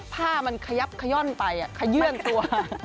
ผ้ามันขยับขย่อนไปขยื่นตัว